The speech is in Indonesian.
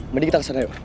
mending kita kesana yuk